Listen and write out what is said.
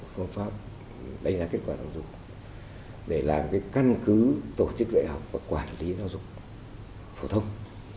phương pháp đánh giá kết quả giáo dục để làm cái căn cứ tổ chức dạy học và quản lý giáo dục phổ thông